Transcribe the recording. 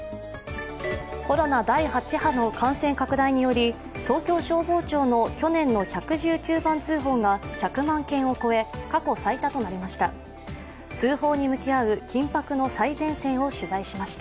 コロナ第８波の感染拡大により東京消防庁の去年の１１９番通報が１００万件を超え過去最多となりました。